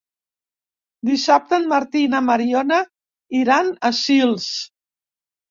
Dissabte en Martí i na Mariona iran a Sils.